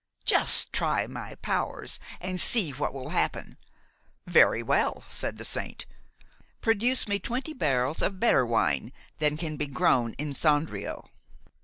'Just try my powers, and see what will happen!' 'Very well,' said the saint, 'produce me twenty barrels of better wine than can be grown in Sondrio.'